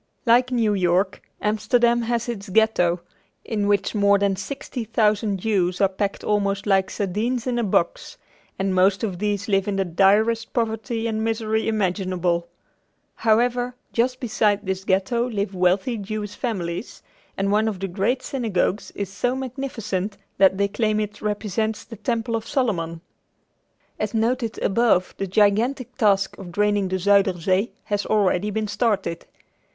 Like New York, Amsterdam has its Ghetto, in which more than sixty thousand Jews are packed almost like sardines in a box, and most of these live in the direst poverty and misery imaginable. However, just beside this Ghetto live wealthy Jewish families, and one of the great synagogues is so magnificent that they claim it represents the Temple of Solomon. As noted above the gigantic task of draining the Zuyder Zee has already been started.